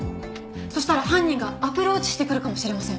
そしたら犯人がアプローチしてくるかもしれません。